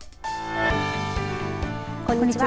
こんにちは。